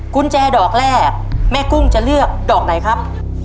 กุญแจดอกแรกแม่กุ้งจะเลือกดอกไหนครับ